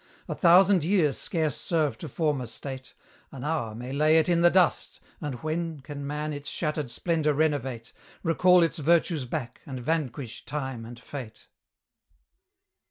A thousand years scarce serve to form a state; An hour may lay it in the dust: and when Can man its shattered splendour renovate, Recall its virtues back, and vanquish Time and Fate?